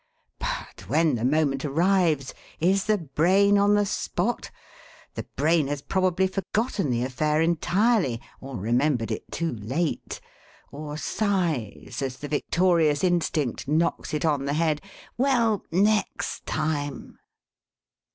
But when the moment arrives, is the brain on the spot? The brain has probably forgotten the affair entirely, or remembered it too late; or sighs, as the victorious instinct knocks it on the head: 'Well, next time!'